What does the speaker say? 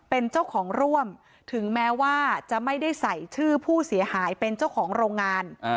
เป็นเจ้าของร่วมถึงแม้ว่าจะไม่ได้ใส่ชื่อผู้เสียหายเป็นเจ้าของโรงงาน